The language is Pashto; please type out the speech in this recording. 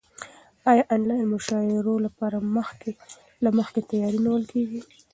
ایا د انلاین مشاعرو لپاره مخکې له مخکې تیاری نیول کیږي؟